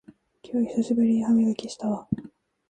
今日久しぶりに歯磨きしたわ